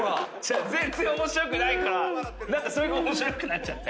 全然面白くないから何かそれが面白くなっちゃって。